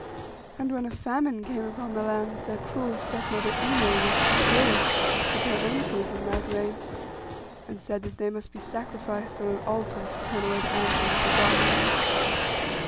And when a famine came upon the land, their cruel step mother Ino wished to kill them, that her own children might reign, and said that they must be sacrificed on an altar, to turn away the anger of the Gods.